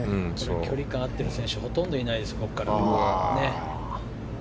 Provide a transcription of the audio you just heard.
距離感が合っている選手がほとんどいないです。